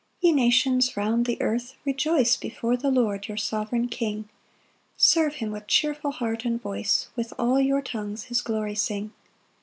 1 Ye nations round the earth rejoice Before the Lord, your sovereign King; Serve him with cheerful heart and voice, With all your tongues his glory sing.